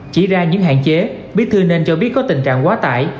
chỉ ra những hạn chế bí thư nên cho biết có tình trạng quá tải